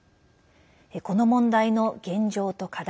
この問題の現状と課題